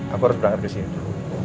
aku harus berangkat ke situ